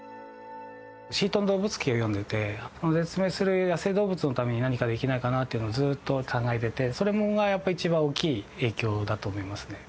『シートン動物記』を読んでいて絶滅する野生動物のために何かできないかなというのをずっと考えていてそれがやっぱり一番大きい影響だと思いますね。